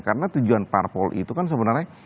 karena tujuan parpol itu kan sebenarnya